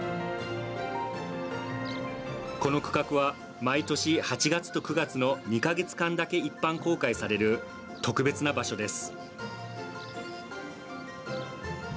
この区画は毎年８月と９月の２か月間だけ一般公開される特別な場所です。